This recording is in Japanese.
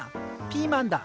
ピーマンだ。